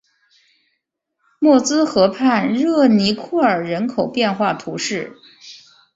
默兹河畔热尼库尔人口变化图示